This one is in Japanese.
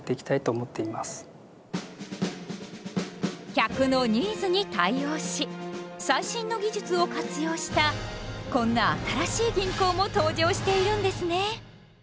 客のニーズに対応し最新の技術を活用したこんな新しい銀行も登場しているんですね。